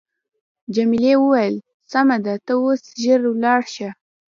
جميلې وويل: سمه ده ته اوس ژر ولاړ شه.